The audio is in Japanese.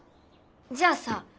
じゃあさ